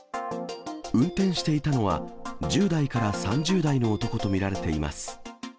運転していたのは、１０代から３０代の男と見られています。